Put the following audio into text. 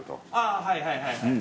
あはいはいはいはい。